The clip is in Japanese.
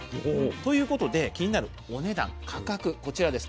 ということで気になるお値段価格こちらです。